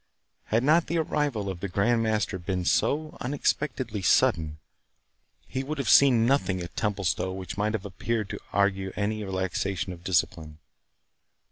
Had not the arrival of the Grand Master been so unexpectedly sudden, he would have seen nothing at Templestowe which might have appeared to argue any relaxation of discipline.